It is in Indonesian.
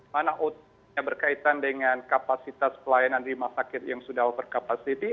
karena outcome nya berkaitan dengan kapasitas pelayanan rimasakit yang sudah over capacity